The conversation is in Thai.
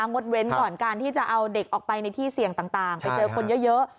งดเว้นก่อนการที่จะเอาเด็กออกไปในที่เสี่ยงต่างไปเจอคนเยอะ